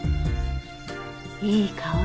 いい香り。